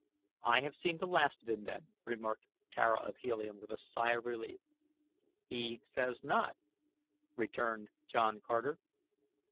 "I have seen the last of him then," remarked Tara of Helium with a sigh of relief. "He says not," returned John Carter.